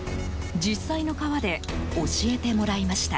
実際の川で教えてもらいました。